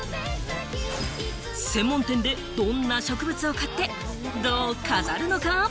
専門店でどんな植物を買って、どう飾るのか？